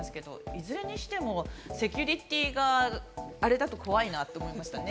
いずれにしてもセキュリティーがあれだと怖いなと思うんですけどね。